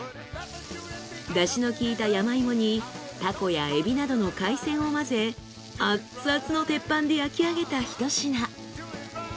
だしの効いた山芋にタコやエビなどの海鮮を混ぜアッツアツの鉄板で焼き上げた一品。